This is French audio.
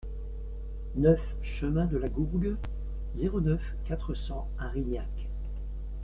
neuf chemin de la Gourgue, zéro neuf, quatre cents Arignac